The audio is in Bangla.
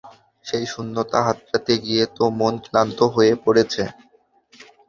সেই শূন্যতা হাতড়াতে গিয়ে তো মন ক্লান্ত হয়ে পড়েছে।